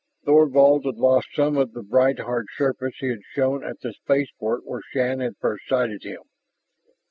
Thorvald had lost some of the bright hard surface he had shown at the spaceport where Shann had first sighted him.